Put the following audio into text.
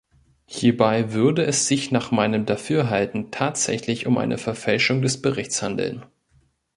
Hierbei würde es sich nach meinem Dafürhalten tatsächlich um eine Verfälschung des Berichts handeln.